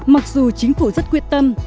mặc dù chính phủ rất quyết tâm